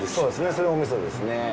それがお味噌ですね。